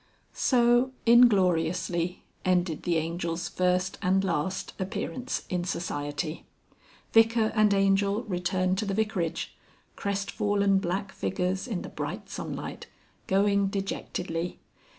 XXXVIII. So, ingloriously, ended the Angel's first and last appearance in Society. Vicar and Angel returned to the Vicarage; crestfallen black figures in the bright sunlight, going dejectedly.